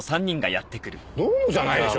どうもじゃないでしょ！